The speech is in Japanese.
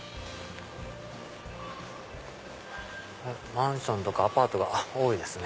マンションとかアパートが多いですね。